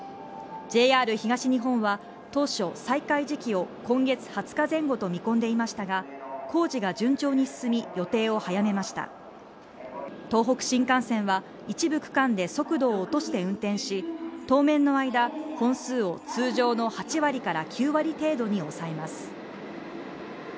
ＪＲ東日本は当初再開時期を今月２０日前後と見込んでいましたが工事が順調に進み予定を早めました東北新幹線は一部区間で速度を落として運転し当面の間本数を通常の８割から９割程度に抑えます